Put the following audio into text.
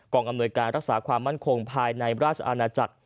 กองอำนวยการรักษาความมั่นคงภายในประวัติศัตริย์ราชอาณาจัศน์